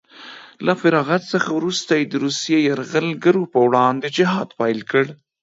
له فراغت څخه وروسته یې د روسیې یرغلګرو په وړاندې جهاد پیل کړ